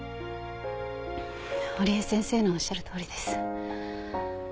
織枝先生のおっしゃるとおりです。